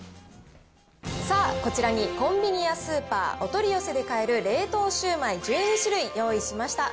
さあ、こちらにコンビニやスーパー、お取り寄せで買える冷凍シュウマイ１２種類用意しました。